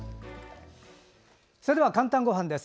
それでは「かんたんごはん」です。